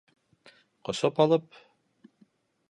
Ҡосоп алып: